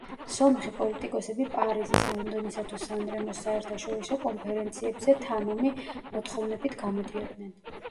სომეხი პოლიტიკოსები პარიზის, ლონდონისა თუ სან-რემოს საერთაშორისო კონფერენციებზე თამამი მოთხოვნებით გამოდიოდნენ.